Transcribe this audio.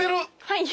はい。